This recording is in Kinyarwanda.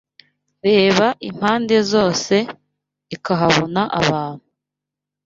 Ireba impande zose ikahabona abantu